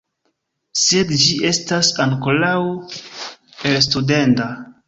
Sed ĝi estas ankoraŭ elstudenda.